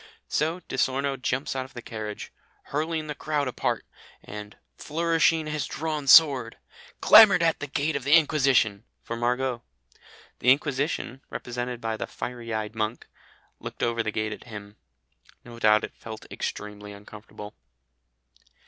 So Di Sorno jumps out of the carriage, "hurling the crowd apart," and, "flourishing his drawn sword," "clamoured at the gate of the Inquisition" for Margot. The Inquisition, represented by the fiery eyed monk, "looked over the gate at him." No doubt it felt extremely uncomfortable.